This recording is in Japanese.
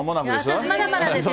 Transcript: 私、まだまだですよ。